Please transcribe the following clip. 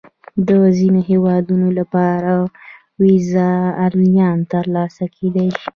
د ځینو هیوادونو لپاره ویزه آنلاین ترلاسه کېدای شي.